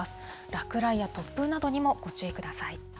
落雷や突風などにもご注意ください。